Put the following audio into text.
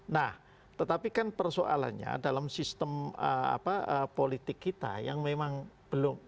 nah tetapi kan persoalannya dalam sistem politik kita yang memang belum